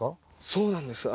そうなんです。